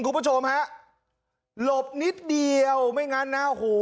กลุ่มผู้ชมฮะหลบนิดเดียวไม่งั้นนะโห